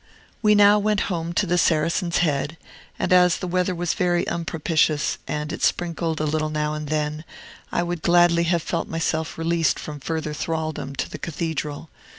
We now went home to the Saracen's Head; and as the weather was very unpropitious, and it sprinkled a little now and then, I would gladly have felt myself released from further thraldom to the Cathedral.